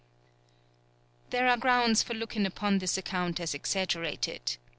"] There are grounds for looking upon this account as exaggerated.